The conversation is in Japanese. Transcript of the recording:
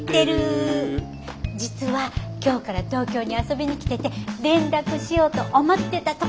実は今日から東京に遊びに来てて連絡しようと思ってたとこだったんだけど。